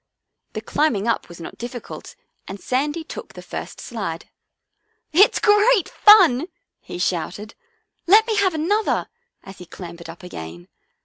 The climbing up was not difficult and Sandy took the first slide. " It's great fun," he shouted. " Let me have another! " as he clambered up again.